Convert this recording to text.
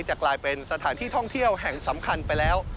จะกลายเป็นสถานที่ท่องเที่ยวแห่งสำคัญไปแล้ว